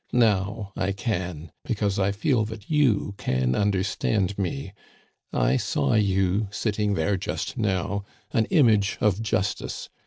Now I can, because I feel that you can understand me. I saw you, sitting there just now, an Image of Justice.